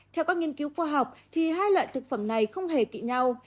theo các nghiên cứu khoa học hai loại thực phẩm này không hề kỵ nhau